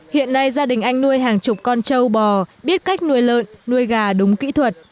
hiện nay gia đình anh nuôi hàng chục con trâu bò biết cách nuôi lợn nuôi gà đúng kỹ thuật